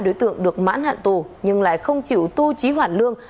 hai đối tượng được mãn hạn tù nhưng lại không chịu tu trí hoạt lương